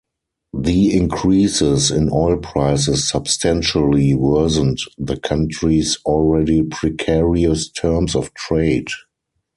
The increases in oil prices substantially worsened the country's already precarious terms of trade.